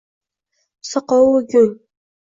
Saqovu gung